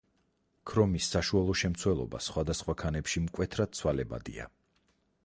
ქრომის საშუალო შემცველობა სხვადასხვა ქანებში მკვეთრად ცვალებადია.